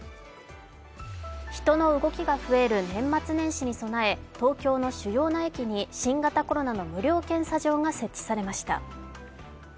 人の動きが増える年末年始に備え東京の主要な駅に新型コロナの無料検査場が設置されました。